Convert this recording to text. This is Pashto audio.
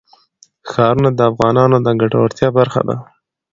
ښارونه د افغانانو د ګټورتیا برخه ده.